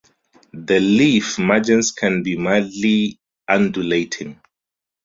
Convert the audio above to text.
The leaf margins can be mildly undulating.